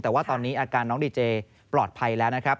แต่ว่าตอนนี้อาการน้องดีเจปลอดภัยแล้วนะครับ